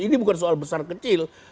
ini bukan soal besar kecil